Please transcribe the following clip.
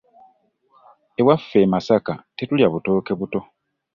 Ewaffe e Masaka tetulya butooke buto.